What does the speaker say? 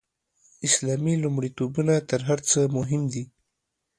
اسلامي لومړیتوبونه تر هر څه مهم دي.